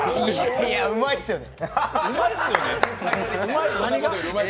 いや、うまいっすよね。